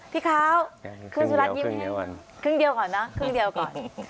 พี่เค้าคึ่งเดียวก่อนนะคึ่งเดียวก่อน